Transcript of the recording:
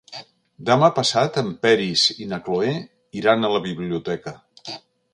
Demà passat en Peris i na Cloè iran a la biblioteca.